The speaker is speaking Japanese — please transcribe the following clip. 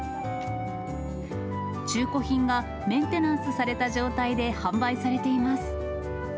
中古品がメンテナンスされた状態で販売されています。